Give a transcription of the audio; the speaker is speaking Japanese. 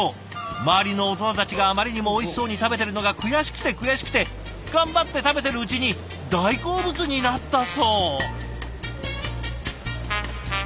周りの大人たちがあまりにもおいしそうに食べてるのが悔しくて悔しくて頑張って食べてるうちに大好物になったそう。